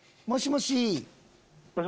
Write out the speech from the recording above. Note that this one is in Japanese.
もしもし。